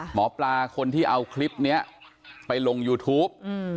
หมอปลาคนที่เอาคลิปนี้ไปลงยูทูป